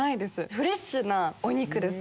フレッシュなお肉です。